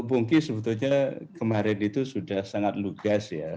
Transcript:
bungki sebetulnya kemarin itu sudah sangat lugas ya